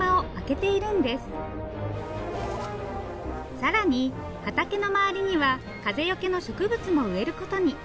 更に畑の周りには風よけの植物も植えることに。